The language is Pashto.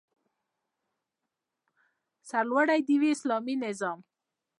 سرلوړی دې وي اسلامي نظام